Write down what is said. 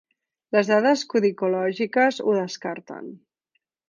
Les dades codicològiques ho descarten.